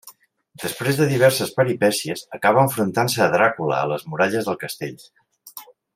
Després de diverses peripècies, acaba enfrontant-se a Dràcula a les muralles del castell.